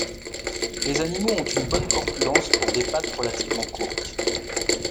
Les animaux ont une bonne corpulence pour des pattes relativement courtes.